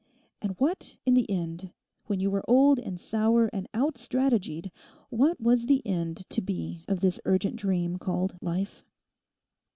And what in the end, when you were old and sour and out strategied, what was the end to be of this urgent dream called Life?